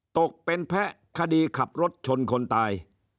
ตกเป็นแพ้คดีขับรถชนคนตาย